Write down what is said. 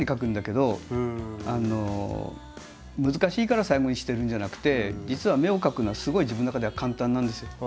難しいから最後にしてるんじゃなくて実は目を描くのはすごい自分の中では簡単なんですよ。